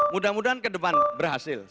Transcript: mudah mudahan ke depan berhasil